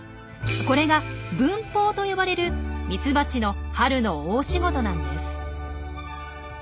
これが「分蜂」と呼ばれるミツバチの春の大仕事なんです。